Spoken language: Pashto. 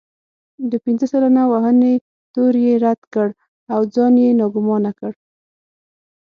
د پنځه سلنه وهنې تور يې رد کړ او ځان يې ناګومانه کړ.